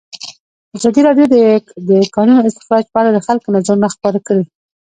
ازادي راډیو د د کانونو استخراج په اړه د خلکو نظرونه خپاره کړي.